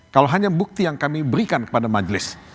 kalau hanya bukti yang kami berikan kepada majelis